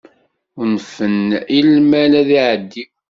Unfen i lmal ad iεeddi.